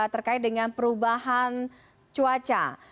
terkait dengan perubahan cuaca